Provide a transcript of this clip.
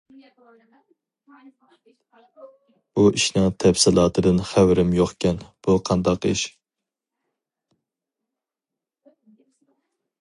بۇ ئىشنىڭ تەپسىلاتىدىن خەۋىرىم يوقكەن بۇ قانداق ئىش.